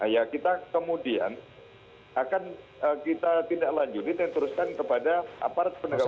ya kita kemudian akan kita tindak lanjuti dan teruskan kepada aparat penegak hukum